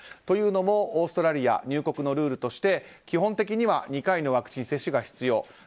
というのもオーストラリア入国のルールとして基本的には２回のワクチン接種が必要。